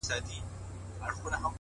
اې ښكلي پاچا سومه چي ستا سومه!!